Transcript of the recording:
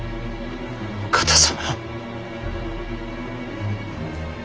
お方様。